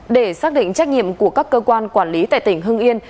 để xác định trách nhiệm của các cơ quan quản lý tại tỉnh hưng yên